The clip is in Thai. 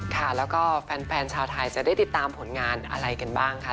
ชื่อว่าเอิ้นด่าพาวจู๊